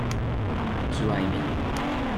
Tu as aimé.